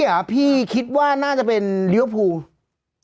วันนี้อ่ะพี่คิดว่าน่าจะเป็นลิเวอร์พูล